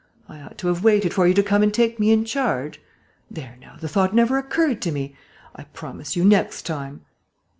I ought to have waited for you to come and take me in charge?... There now, the thought never occurred to me! I promise you, next time...."